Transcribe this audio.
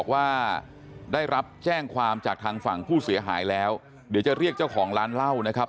ว่าได้รับแจ้งความจากทางฝั่งผู้เสียหายแล้วเดี๋ยวจะเรียกเจ้าของร้านเหล้านะครับ